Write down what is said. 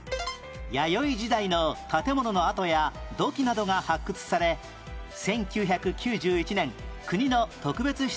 弥生時代の建物の跡や土器などが発掘され１９９１年国の特別史跡に指定